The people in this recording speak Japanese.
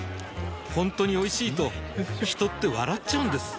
ほんとにおいしいと人って笑っちゃうんです